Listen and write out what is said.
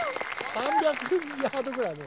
３００ヤードぐらいあるよ。